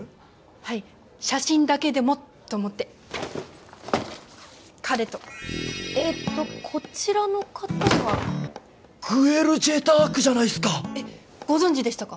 はい写真だけでもと思って彼とえーっとこちらの方はグエル・ジェタークじゃないっすかえっご存じでしたか？